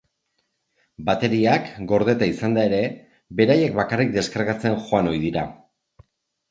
Bateriak, gordeta izanda ere, beraiek bakarrik deskargatzen joan ohi dira.